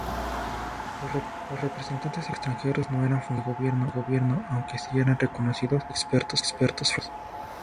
Los representantes extranjeros no eran funcionarios de gobierno, aunque sí eran reconocidos expertos financieros.